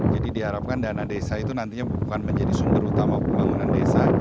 jadi diharapkan dana desa itu nantinya bukan menjadi sumber utama pembangunan desa